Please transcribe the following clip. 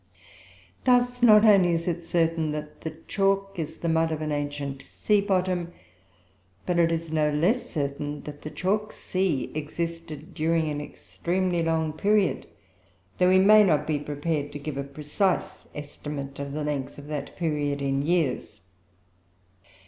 Thus, not only is it certain that the chalk is the mud of an ancient sea bottom; but it is no less certain, that the chalk sea existed during an extremely long period, though we may not be prepared to give a precise estimate of the length of that period in years.